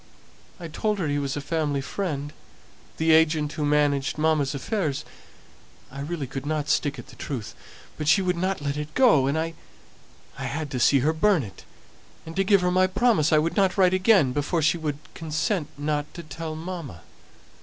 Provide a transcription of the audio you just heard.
I told her he was a family friend, the agent who managed mamma's affairs I really could not stick at the truth; but she wouldn't let it go; and I had to see her burn it, and to give her my promise I wouldn't write again before she would consent not to tell mamma.